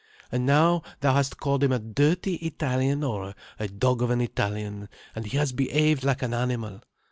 And now thou hast called him a dirty Italian, or a dog of an Italian, and he has behaved like an animal.